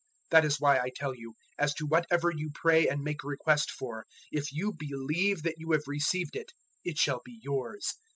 011:024 That is why I tell you, as to whatever you pray and make request for, if you believe that you have received it it shall be yours.